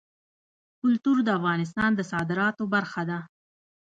کلتور د افغانستان د صادراتو برخه ده.